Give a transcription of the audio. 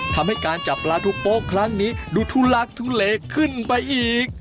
ทำให้การจับปลาทุกโป๊ะครั้งนี้ดูทุลักทุเลขึ้นไปอีก